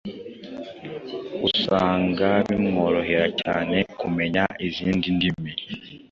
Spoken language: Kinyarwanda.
usanga bimworohera cyane kumenya izindi ndimi